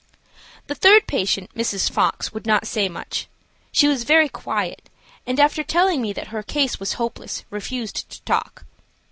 The third patient, Mrs. Fox, would not say much. She was very quiet, and after telling me that her case was hopeless refused to talk.